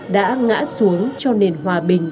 đã ngã xuống cho nền hòa bình